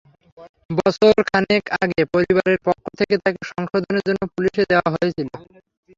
বছর খানেক আগে পরিবারের পক্ষ থেকে তাঁকে সংশোধনের জন্য পুলিশে দেওয়া হয়েছিল।